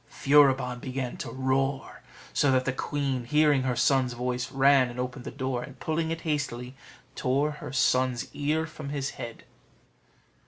Furibon began to roar, so that the queen, hearing her son's voice, ran and opened the door, and, pulling it hastily, tore her son's ear from his head.